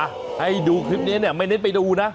ให้ดูคลิปนี้เนี่ยไม่เน้นไปดูนะ